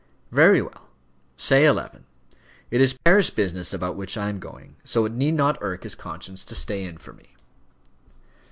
"Very well, say eleven. It is parish business about which I am going, so it need not irk his conscience to stay in for me."